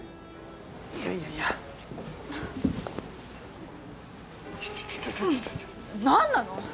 いやいやいやちょちょっちょっちょっ何なの！？